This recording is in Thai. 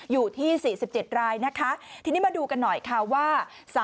อยู่ที่๔๗รายนะคะทีนี้มาดูกันหน่อยค่ะว่า